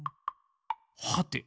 はて？